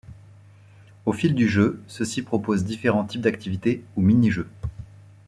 Au fil du jeu, ceux-ci proposent différents types d’activités, ou mini-jeux.